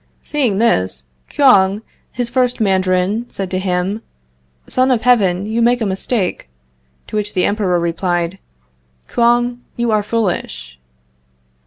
Seeing this, Kouang, his first Mandarin, said to him: "Son of Heaven, you make a mistake." To which the Emperor replied: "Kouang, you are foolish."